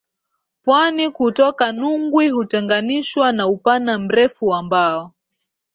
Pwani kutoka Nungwi hutenganishwa na upana mrefu wa mbao